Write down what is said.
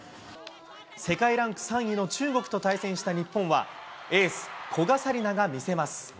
世界ランク３位の中国と対戦した日本は、エース、古賀紗理那が見せます。